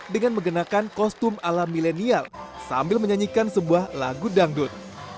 dengan mengenakan kostum ala milenial sambil menyanyikan sebuah lagu dangdut